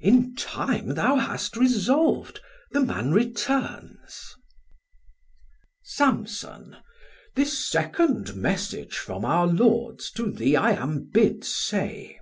Chor: In time thou hast resolv'd, the man returns. 1390 Off: Samson, this second message from our Lords To thee I am bid say.